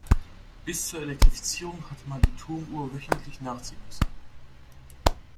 Bis zur Elektrifizierung hatte man die Turmuhr wöchentlich nachziehen müssen.